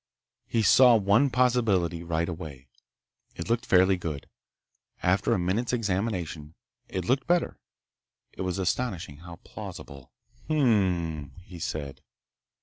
He saw one possibility right away. It looked fairly good. After a minute's examination it looked better. It was astonishing how plausible— "Hm m m," he said.